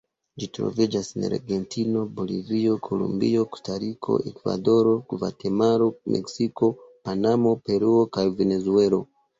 Ĝi troviĝas en Argentino, Bolivio, Kolumbio, Kostariko, Ekvadoro, Gvatemalo, Meksiko, Panamo, Peruo kaj Venezuelo.